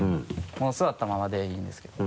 もう座ったままでいいんですけど。